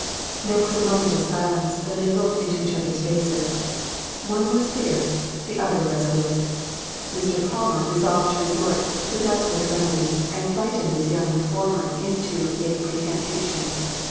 There was a moment of silence, when they looked into each other's faces. One was fierce, the other resolute. Mr. Palmer resolved to resort to a desperate remedy, and frighten this young reformer into a recantation.